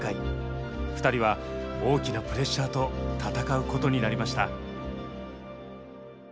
２人は大きなプレッシャーと戦うことになりました。